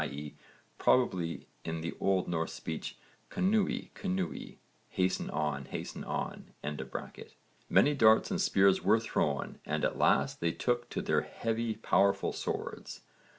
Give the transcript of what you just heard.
e. probably, in the old Norse speech, knúi, knúi, 'hasten on, hasten on'). Many darts and spears were thrown and at last they took to their heavy powerful swords.